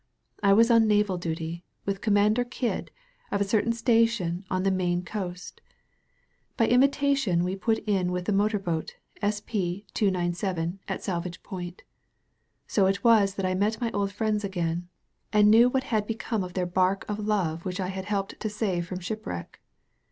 I was on naval duty, with Com mander Kidd, of a certain station on the Maine coast. By invitation we put in with the motor boat S. P. 297, at Salvage Pomt. So it was that I met my old friends again, and knew what had be come of their barque of love which I had helped to save from shipwreck.